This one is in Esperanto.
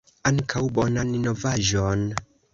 Ankaŭ! Bonan novaĵon!